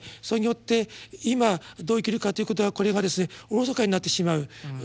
それによって「今どう生きるか」ということはこれがおろそかになってしまう。